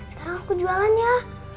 sekarang aku jualan ya